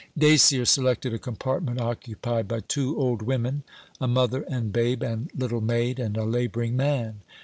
Dacier selected a compartment occupied by two old women, a mother and babe and little maid, and a labouring man.